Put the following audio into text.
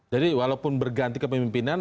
jadi walaupun berganti kepemimpinan